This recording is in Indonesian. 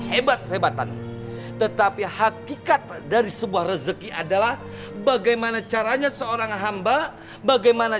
hebat hebatan tetapi hakikat dari sebuah rezeki adalah bagaimana caranya seorang hamba bagaimana